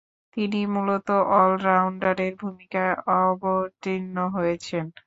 তিনি মূলতঃ অল-রাউন্ডারের ভূমিকায় অবতীর্ণ হয়েছেন।